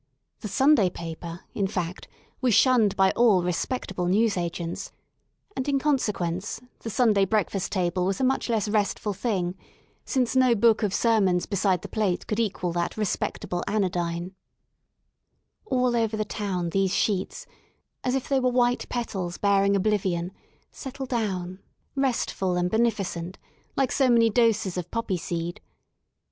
T he S un d ay pape r, in fact, was shunned by all respectable newsagents^ — and, in consequence the Sunday breakfast table was a much less restful things since no book of sermons be side the plate could equal that respectable anodyne* All over the town these sheets, as if they were white petals bearing oblivion, settle down, restful and bene ficent, like so many doses of poppy seed.